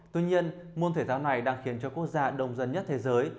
tuy nhiên môn thể thao này đang khiến cho quốc gia đông dân nhất thế giới